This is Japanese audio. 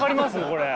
これ。